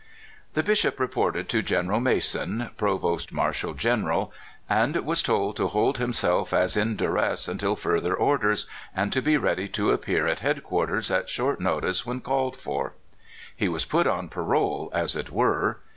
The Bishop reported to Gen. Mason, provost marshal general, and was told to hold himself as in duress until further orders, and to be read}^ to appear at headquarters at short notice w^hen called for. He was put on parole, as it were.